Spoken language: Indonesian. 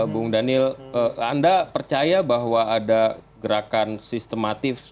bu daniel anda percaya bahwa ada gerakan sistematis tersebut